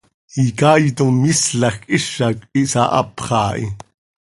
Icaaitom iislajc hizac ihsahapx haa hi.